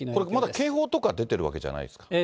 これまだ警報とか出てるわけじゃないですか。